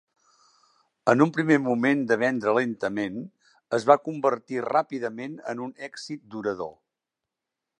En un primer moment de vendre lentament, es va convertir ràpidament en un èxit durador.